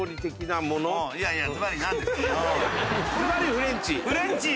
フレンチ！